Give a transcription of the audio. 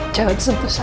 jangan sentuh saya